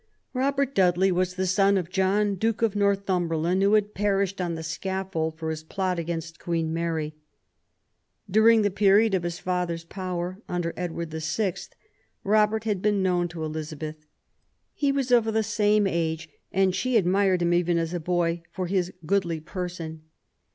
Robert Dudley was the son of John, Duke of Northumberland, who had perished on the scaffold for his plot against Queen Mary. During the period of his father's power, under Edward VI., Robert 64 QUEEN ELIZABETH, had been known to Elizabeth. He was of the same age, and she admired him even as a boy "for his goodly person